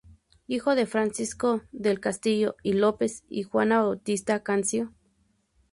Hijo de Francisco del Castillo y López y Juana Bautista Cancio.